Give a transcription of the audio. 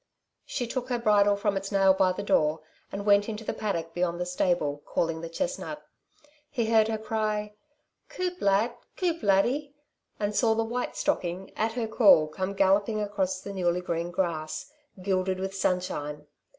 She took her bridle from its nail by the door, and went into the paddock beyond the stable, calling the chestnut. He heard her cry: "Coup lad! coup laddie!" and saw the white stocking, at her call, come galloping across the newly green grass, gilded with sunshine.